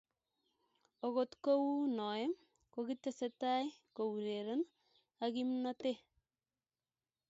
Ogot ko uu noe kokitestai koureren ak kimnotee psg.